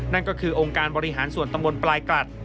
นั่นก็คือองค์การบริหารส่วนตำบลปลายกลัด